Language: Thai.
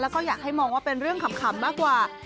แล้วก็อยากให้มองว่าเป็นเรื่องขำมากกว่า